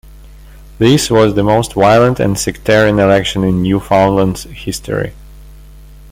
This was the most violent and sectarian election in Newfoundland's history.